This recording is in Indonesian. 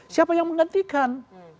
siapa yang menggantikan